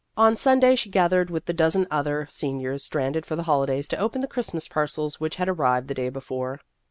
On Sun day she gathered with the dozen other seniors stranded for the holidays to open the Christmas parcels which had arrived the day before.